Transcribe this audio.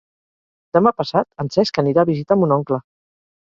Demà passat en Cesc anirà a visitar mon oncle.